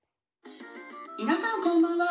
「みなさんこんばんは。